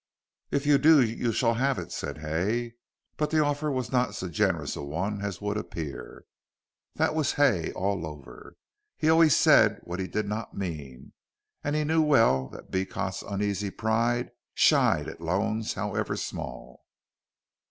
"If you do you shall have it," said Hay, but the offer was not so generous a one as would appear. That was Hay all over. He always said what he did not mean, and knew well that Beecot's uneasy pride shied at loans however small.